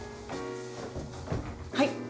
はい。